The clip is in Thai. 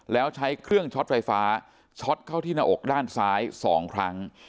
แล้วใช้เครื่องช็อตไฟฟ้าช็อตเข้าที่หน้าอกด้านซ้าย๒ครั้ง